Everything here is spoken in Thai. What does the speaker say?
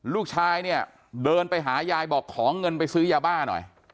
ลูกชายเนี่ยเดินไปหายายบอกขอเงินไปซื้อยาบ้าหน่อย